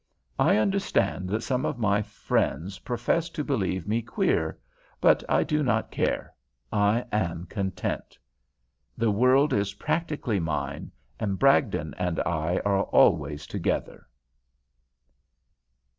I understand that some of my friends profess to believe me queer; but I do not care. I am content. The world is practically mine, and Bragdon and I are always together.